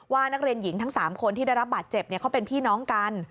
ว่านักเรียนหญิงทั้ง๓คนที่ได้รับบาดเจ็บเขาเป็นพี่น้องกัน